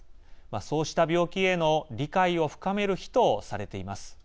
そうした病気への理解を深める日とされています。